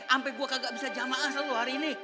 ampe gue tidak bisa jamaah selama hari ini